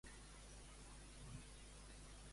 Qui li va sostreure el tron?